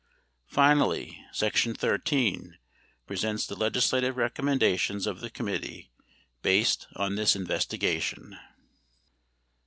Finally, section XIII presents the legislative recommendations of the committee based on this investigation.